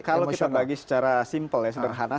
kalau kita bagi secara simpel ya sederhana